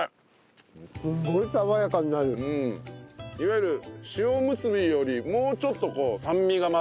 いわゆる塩むすびよりもうちょっとこう酸味が混ざってね。